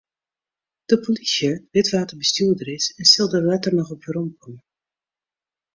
De polysje wit wa't de bestjoerder is en sil dêr letter noch op weromkomme.